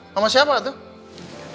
sama siapa tuh